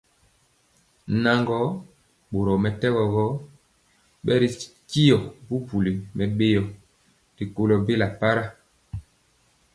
Naŋgɔɔ, boromɛtɛgɔ gɔ, bɛritya bubuli mɛbéo rikɔlɔ bela para,